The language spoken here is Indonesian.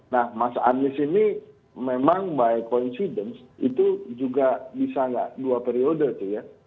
nah mas anies ini memang by confidence itu juga bisa nggak dua periode tuh ya